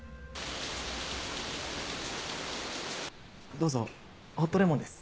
どうぞホットレモンです。